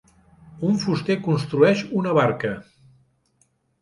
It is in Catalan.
Un fuster construeix una barca.